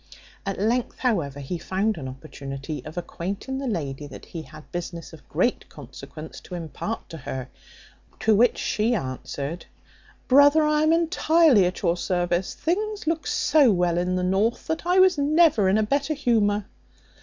At length, however, he found an opportunity of acquainting the lady, that he had business of great consequence to impart to her; to which she answered, "Brother, I am entirely at your service. Things look so well in the north, that I was never in a better humour."